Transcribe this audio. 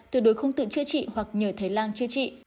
tuyệt đối không tự chữa trị hoặc nhờ thái lan chữa trị